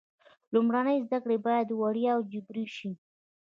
لومړنۍ زده کړې باید وړیا او جبري شي.